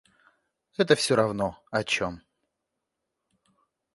Это всё равно, о чем.